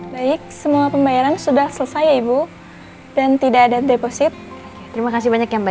baik semua pembayaran sudah selesai ya ibu dan tidak ada deposit terima kasih banyak ya mbak